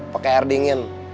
pakai air dingin